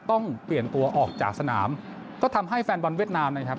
ต้องเปลี่ยนตัวออกจากสนามก็ทำให้แฟนบอลเวียดนามนะครับ